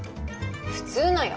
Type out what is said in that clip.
普通のよ。